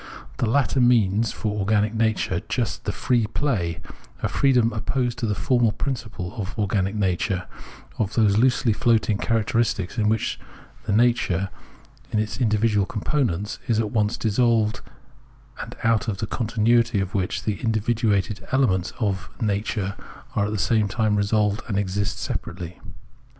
The latter means for organic nature just the free play — a freedom opposed to the formal principle of organic nature — of those loosely floating characteristics in which nature, in its individual components, is at once dissolved and out of the continuity of which the individuated elements of nature are at the same time resolved and exist separately.